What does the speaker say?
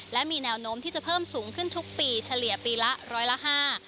และมีแนวโน้มที่จะเพิ่มสูงขึ้นทุกปีเฉลี่ยปีละร้อยละห้า